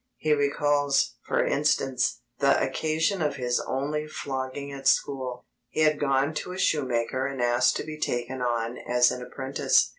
He recalls, for instance, the occasion of his only flogging at school. He had gone to a shoemaker and asked to be taken on as an apprentice.